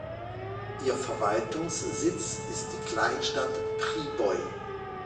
Ihr Verwaltungssitz ist die Kleinstadt Priboj.